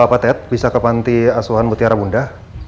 pak ted bisa ke panti asuhan mutiara bunda